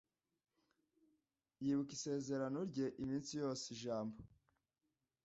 Yibuka isezerano rye iminsi yose ijambo